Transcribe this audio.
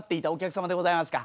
さようでございますか。